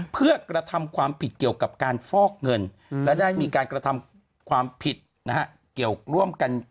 เพื่อกระทำความผิดเกี่ยวกับการฟอกเงินและได้มีการกระทำความผิดนะฮะเกี่ยวร่วมกัน